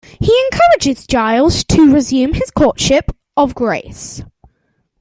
He encourages Giles to resume his courtship of Grace.